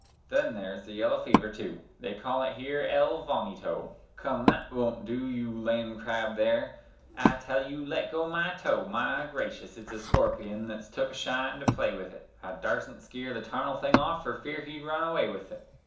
Then there's the yeller fever, tu, they call it here el vomito (Come, thet wun't du, you landcrab there, I tell ye to le' go my toe! My gracious! it's a scorpion thet's took a shine to play with 't, I darsn't skeer the tarnel thing fer fear he'd run away with 't).